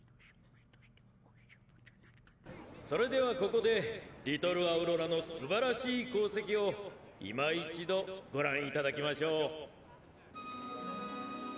それではここでリトルアウロラのすばらしい功績をいま一度ご覧頂きましょう。